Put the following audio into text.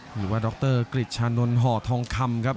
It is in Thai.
หรือว่าดรกฤษชานนทห่อทองคำครับ